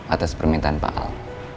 atas permintaan pak al